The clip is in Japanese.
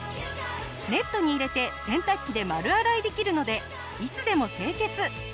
ネットに入れて洗濯機で丸洗いできるのでいつでも清潔。